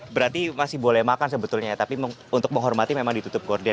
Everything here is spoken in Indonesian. berarti masih boleh makan sebetulnya ya untuk menghormati memang ditutup gordin ya